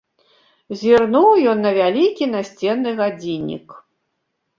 Зірнуў ён на вялікі насценны гадзіннік.